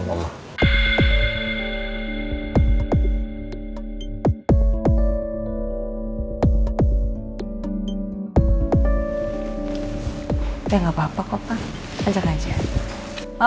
enggak papa papa aja aja apa sih sedang juga kan kalau ada yang sehari hari